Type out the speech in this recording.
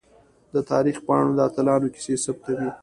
د تاریخ پاڼې د اتلانو کیسې ثبتوي.